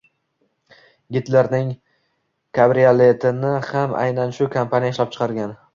Gitlerning kabrioletini ham aynan shu kompaniya ishlab chiqargan.